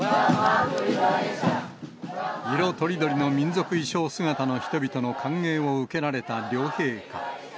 色とりどりの民族衣装姿の人々の歓迎を受けられた両陛下。